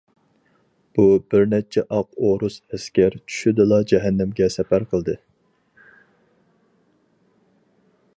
بۇ بىرنەچچە ئاق ئورۇس ئەسكەر چۈشىدىلا جەھەننەمگە سەپەر قىلدى.